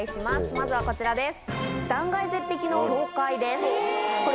まずはこちらです。